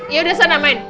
yaudah sana main